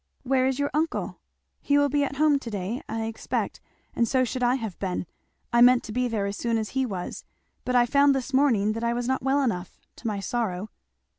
"Where is your uncle?" "He will be at home to day I expect; and so should I have been I meant to be there as soon as he was, but I found this morning that I was not well enough, to my sorrow."